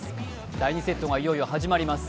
第２セットがいよいよ始まります。